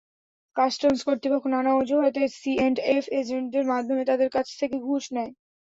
Customs কর্তৃপক্ষ নানা অজুহাতে সিঅ্যান্ডএফ এজেন্টদের মাধ্যমে তাঁদের কাছ থেকে ঘুষ নেয়।